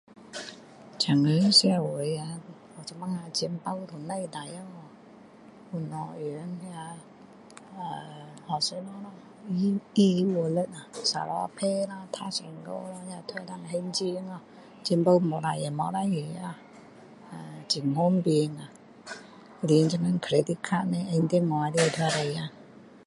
现在社会呀钱包都不用带就是用 e wallet Sarawak pay 咯 touch and go lo 那个都能还钱钱包没有带也没有事情很方便呀连现在 credit card 放在电话里面都可以呀